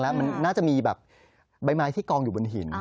มันน่าจะมีแบบใบไม้ที่กองอยู่บนหิน